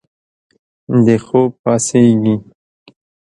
د خوب پاڅیږې